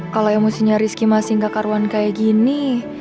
kalau emosinya rizky masih gak karuan kayak gini